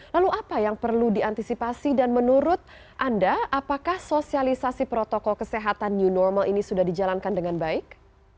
lalu apa yang perlu diantisipasi dan menurut anda apakah sosialisasi protokol kesehatan new normal ini sudah dijalankan dengan baik